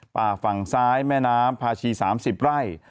ป่าฝั่งซ้ายแม่น้ำพาชี๓๐ไร่